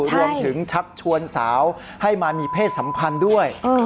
รวมถึงชักชวนสาวให้มีเพศสำคัญด้วย